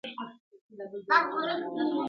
اول به کښېنوو د علم بې شماره وني،